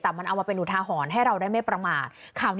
แต่มันเอามาเป็นอุทาหรณ์ให้เราได้ไม่ประมาท